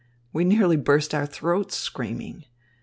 We nearly burst our throats screaming.